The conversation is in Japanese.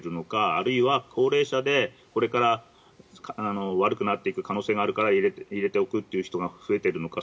あるいは高齢者でこれから悪くなっていく可能性があるから入れておくっていう人が増えているのか。